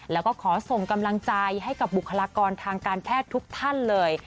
แล้วก็ขอส่งกำลังใจให้กับบุคลากรทางการแพทย์ทุกท่านเลย